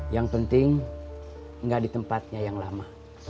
yang penting enggak di tempatnya yang lama